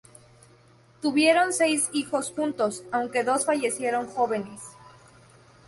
Tuvieron seis hijos juntos, aunque dos fallecieron jóvenes.